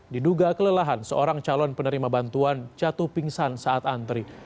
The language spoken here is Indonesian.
diduga kelelahan seorang calon penerima bantuan jatuh pingsan saat antri